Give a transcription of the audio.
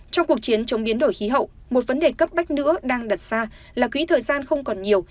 trong cuộc chiến chống biến đổi khí hậu một vấn đề cấp bách nữa đang đặt ra là quỹ thời gian không còn nhiều